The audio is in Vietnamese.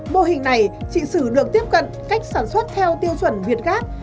mô hình này trị xử được tiếp cận cách sản xuất theo tiêu chuẩn việt gác